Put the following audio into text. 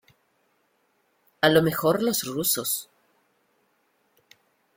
a lo mejor los rusos